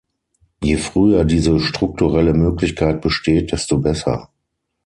Je früher diese strukturelle Möglichkeit besteht, desto besser.